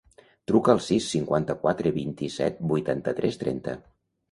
Truca al sis, cinquanta-quatre, vint-i-set, vuitanta-tres, trenta.